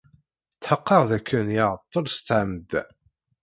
Tḥeqqeɣ dakken iɛeṭṭel s ttɛemda.